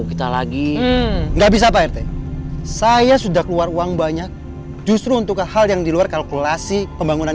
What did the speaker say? kita lagi nggak bisa saya sudah keluar uang banyak justru untuk hal yang di luar kalkulasi pembangunan